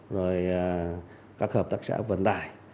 rồi các hợp tác xã vận tải